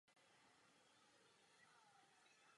Kromě toho byl i nejproduktivnějším obráncem play off.